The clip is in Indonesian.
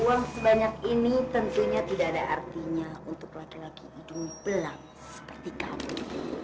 uang sebanyak ini tentunya tidak ada artinya untuk laki laki idung pelan seperti kamu